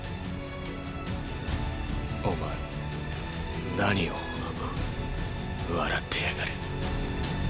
お前何を笑ってやがる。